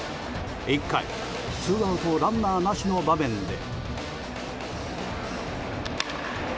１回、ツーアウトランナーなしの場面で。